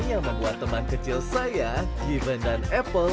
yang membuat teman kecil saya given dan apple